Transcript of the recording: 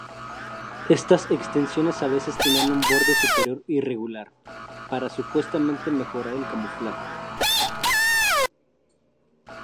Estas extensiones a veces tenían un borde superior irregular, para supuestamente mejorar el camuflaje.